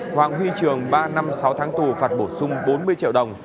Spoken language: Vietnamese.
hoàng huy trường ba năm sáu tháng tù phạt bổ sung bốn mươi triệu đồng